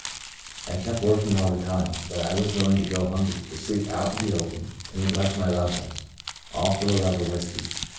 I kept working all the time, but I was willing to go hungry, to sleep out in the open, to neglect my loved ones — all for the love of whiskey.